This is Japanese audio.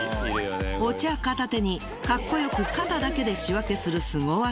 お茶片手にかっこよく肩だけで仕分けするスゴ技。